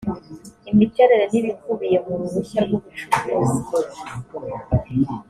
imiterere n ibikubiye mu ruhushya rw ubucukuzi